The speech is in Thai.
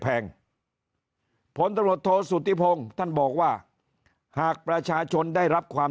แพงผลตำรวจโทษสุธิพงศ์ท่านบอกว่าหากประชาชนได้รับความ